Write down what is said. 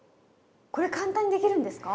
これ簡単にできるんですか？